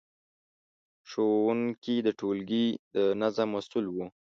ښوونکي د ټولګي د نظم مسؤل وو.